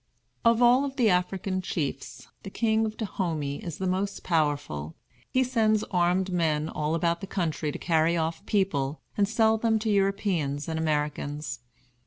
Of all the African chiefs the King of Dahomey is the most powerful. He sends armed men all about the country to carry off people and sell them to Europeans and Americans.